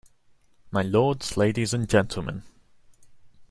My lords, ladies and gentlemen.